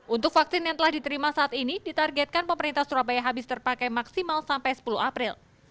untuk vaksin yang telah diterima saat ini ditargetkan pemerintah surabaya habis terpakai maksimal sampai sepuluh april